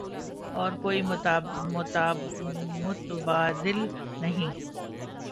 اور کوئی متبادل نہیں۔